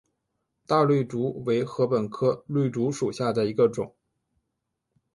大绿竹为禾本科绿竹属下的一个种。